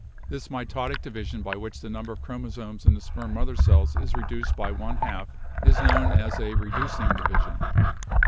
This mitotic division by which the number of chromosomes in the sperm mother cells is reduced by one half is known as a reducing division.